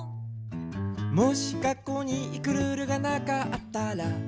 「もし学校に行くルールがなかったら？」